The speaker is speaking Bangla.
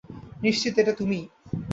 নিশ্চিত এটা তুমিই।